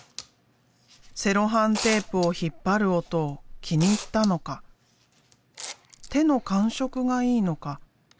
セロハンテープを引っ張る音を気に入ったのか手の感触がいいのか？